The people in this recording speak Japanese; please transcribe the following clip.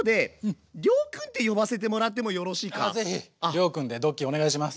亮くんでドッキーお願いします。